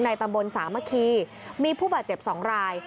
ตำบลสามะคีมีผู้บาดเจ็บ๒ราย